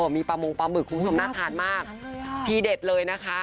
มีปลามงปลาหมึกคุณผู้ชมน่าทานมากทีเด็ดเลยนะคะ